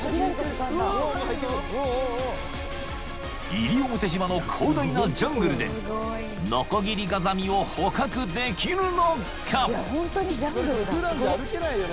［西表島の広大なジャングルでノコギリガザミを捕獲できるのか！？］